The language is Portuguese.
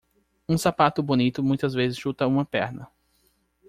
Um sapato bonito muitas vezes chuta uma perna.